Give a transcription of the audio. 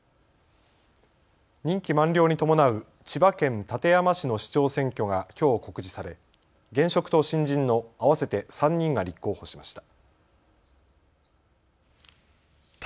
任期満了に伴う千葉県館山市の市長選挙がきょう告示され現職と新人の合わせて３人が立候補しました。